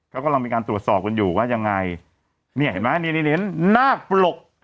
เขากำลังมีการตรวจสอบกันอยู่ว่ายังไงนี่เห็นไหมนี่นี่นาคปลก